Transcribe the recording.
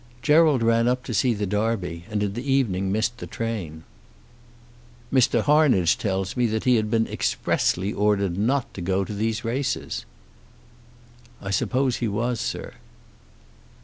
"Gerald ran up to see the Derby, and in the evening missed the train." "Mr. Harnage tells me that he had been expressly ordered not to go to these races." "I suppose he was, sir."